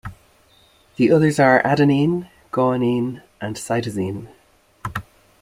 The others are adenine, guanine, and cytosine.